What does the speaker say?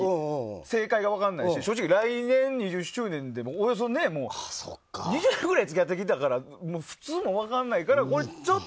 正解が分からないし来年２０周年でおよそ２０年ぐらい付き合ってきたからもう、普通も分からないから。